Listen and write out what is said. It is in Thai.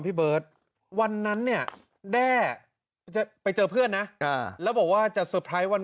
พี่เบิร์ทวันนั้นเนี่ยแด้ไปเจอเพื่อนนะแล้วบอกว่าจะวัน